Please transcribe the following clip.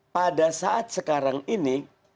pada saat sekarang ini